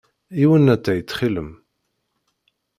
Yiwen n ttay ttxil-m!